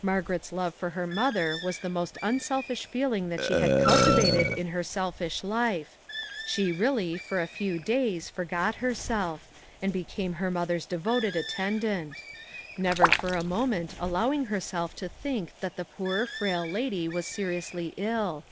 Margaret's love for her mother was the most unselfish feeling that she had cultivated in her selfish life; she really, for a few days, forgot herself, and be came her mother's devoted attendant ; never for a moment allowing herself to think that the poor, frail lady was seriously ill.